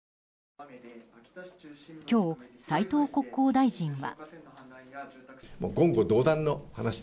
今日、斉藤国交大臣は。